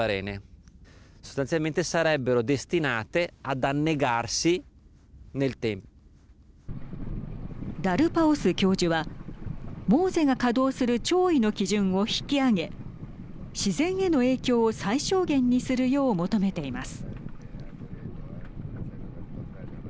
ダルパオス教授はＭｏＳＥが稼働する潮位の基準を引き上げ自然への影響を最小限にするよう求めています。